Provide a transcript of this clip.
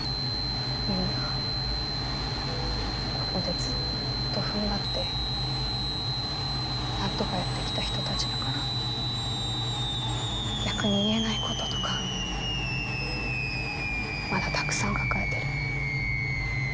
みんなここでずっとふんばってなんとかやってきた人たちだから逆に言えないこととかまだたくさん抱えてる。